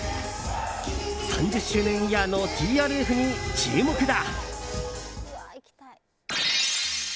３０周年イヤーのＴＲＦに注目だ。